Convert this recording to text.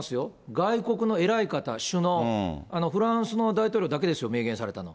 外国の偉い方、首脳、フランスの大統領だけですよ、明言されたの。